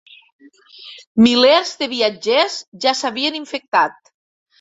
Milers de viatgers ja s’havien infectat.